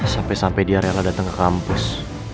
sampai sampai dia rela datang ke kampus